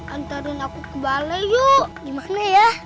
antarin aku ke bale yuk gimana ya